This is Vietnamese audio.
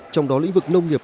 trong đó lĩnh vực nông nghiệp